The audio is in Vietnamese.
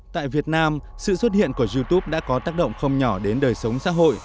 tại việt nam sự xuất hiện của youtube đã có tác động không nhỏ đến đời sống xã hội